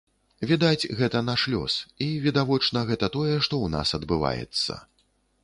Відаць, гэта наш лёс і, відавочна, гэта тое, што ў нас адбываецца.